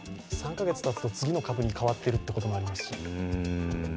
３カ月たつと次の株に変わっているということもありますし。